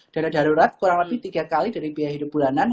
dana darurat kurang lebih tiga kali dari biaya hidup bulanan